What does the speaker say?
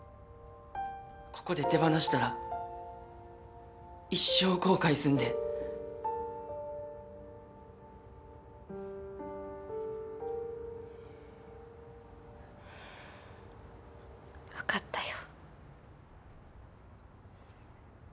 ここで手放したら一生後悔すんで分かったよ